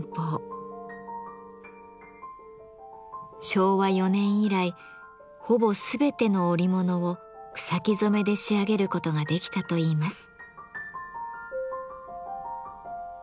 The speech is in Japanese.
昭和４年以来ほぼ全ての織物を草木染めで仕上げることができたといいます。